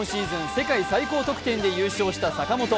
世界最高得点で優勝した坂本。